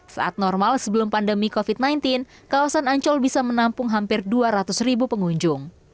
saat normal sebelum pandemi covid sembilan belas kawasan ancol bisa menampung hampir dua ratus ribu pengunjung